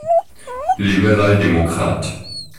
Liberaldemokrat.